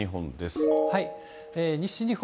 西日本。